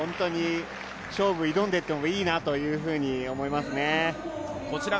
勝負、挑んでいってもいいなと思いますね。